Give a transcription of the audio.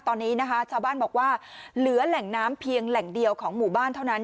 ตอนนี้นะคะชาวบ้านบอกว่าเหลือแหล่งน้ำเพียงแหล่งเดียวของหมู่บ้านเท่านั้น